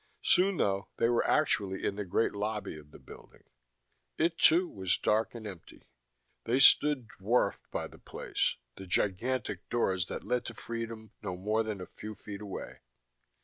Soon, though, they were actually in the great lobby of the building. It, too, was dark and empty. They stood dwarfed by the place, the gigantic doors that led to freedom no more than a few feet away.